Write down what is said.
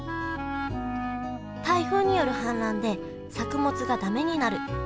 台風による氾濫で作物が駄目になる。